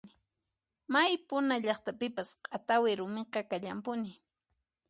May puna llaqtapipas q'atawi rumiqa kallanpuni.